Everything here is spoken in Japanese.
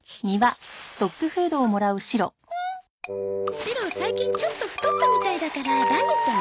シロ最近ちょっと太ったみたいだからダイエットね。